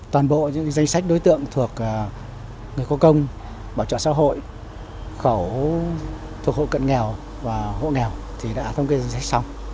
toàn bộ những danh sách đối tượng thuộc người có công bảo trợ xã hội thuộc hộ cận nghèo và hộ nghèo thì đã thống kê danh sách xong